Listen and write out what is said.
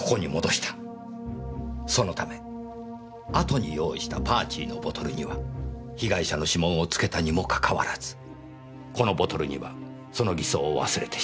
そのため後に用意した「パーチー」のボトルには被害者の指紋を付けたにもかかわらずこのボトルにはその偽装を忘れてしまった。